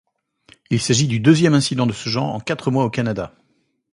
Il s'agit du deuxième incident de ce genre en quatre mois au Canada.